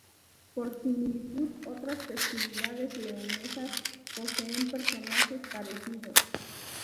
Por similitud otras festividades leonesas poseen personajes parecidos.